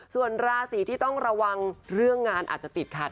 ส่วนราศีที่ต้องระวังเรื่องงานอาจจะติดขัด